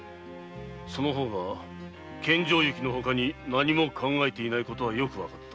その方が献上雪のほかに何も考えていないことはよくわかった。